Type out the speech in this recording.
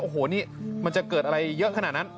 โอ้โหนี่มันจะเกิดอะไรเยอะขนาดนั้น